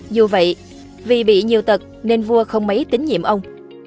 dù vậy vì bị nhiều tật nên vua không mấy tín nhiệm ông